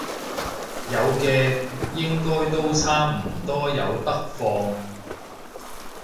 有嘅，應該都差唔多有得放